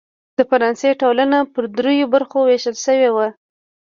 د فرانسې ټولنه پر دریوو برخو وېشل شوې وه.